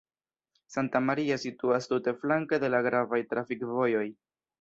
Santa Maria situas tute flanke de la gravaj trafikvojoj.